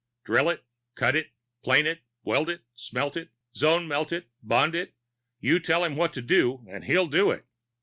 Drill it, cut it, plane it, weld it, smelt it, zone melt it, bond it you tell him what to do and he'll do it.